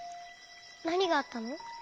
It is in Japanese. なにがあったの？